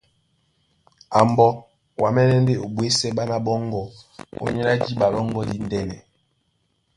A mbɔ́, wǎmɛ́nɛ́ ndé o ɓwésɛ́ ɓána ɓɔ́ŋgɔ̄ ónyólá jǐɓa lɔ́ŋgɔ̄ díndɛ́nɛ.